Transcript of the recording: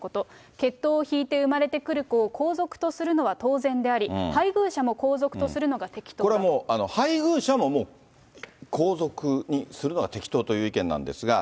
血統を引いて生まれてくる子を皇族とするのは当然であり、これもう、配偶者ももう、皇族にするのが適当という意見なんですが。